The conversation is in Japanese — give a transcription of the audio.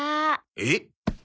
えっ？